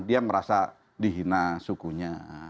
dia merasa dihina sukunya